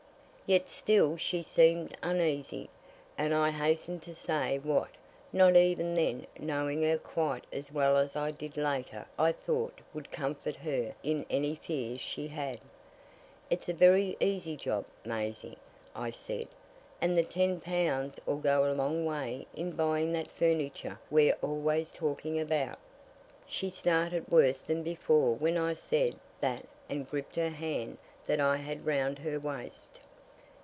Yet still she seemed uneasy, and I hastened to say what not even then knowing her quite as well as I did later I thought would comfort her in any fears she had. "It's a very easy job, Maisie," I said; "and the ten pounds'll go a long way in buying that furniture we're always talking about." She started worse than before when I said that and gripped the hand that I had round her waist.